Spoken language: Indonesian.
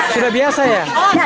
sudah biasa ya